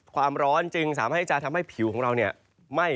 ความร้อนจึงสามารถที่จะทำให้ผิวของเราไหม้